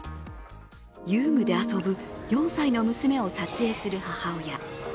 遊具で遊ぶ４歳の娘を撮影する母親。